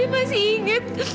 kamu masih ingat